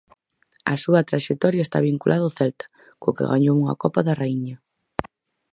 A súa traxectoria está vinculada ao Celta, co que gañou unha Copa da Raíña.